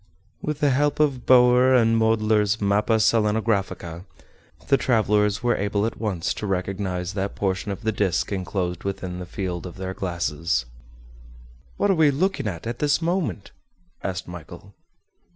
With the help of Boeer and Moedler's Mappa Selenographica, the travelers were able at once to recognize that portion of the disc enclosed within the field of their glasses. "What are we looking at, at this moment?" asked Michel.